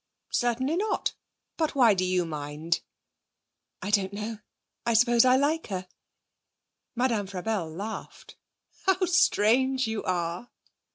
'Certainly not. But why do you mind?' 'I don't know; I suppose I like her.' Madame Frabelle laughed. 'How strange you are!'